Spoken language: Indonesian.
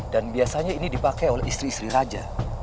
dan biasanya ini dipakai oleh istri istri raja